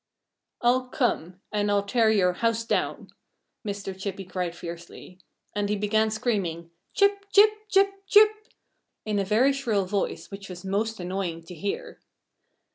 "I'll come and I'll tear your house down!" Mr. Chippy cried fiercely. And he began screaming, "Chip, chip, chip, chip," in a very shrill voice which was most annoying to hear.